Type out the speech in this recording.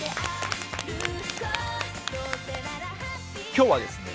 今日はですね